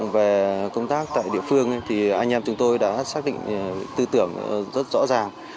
về công tác tại địa phương thì anh em chúng tôi đã xác định tư tưởng rất rõ ràng